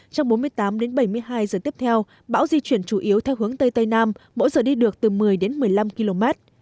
trong bốn mươi tám đến bảy mươi hai giờ tiếp theo bão di chuyển chủ yếu theo hướng tây tây nam mỗi giờ đi được từ một mươi đến một mươi năm km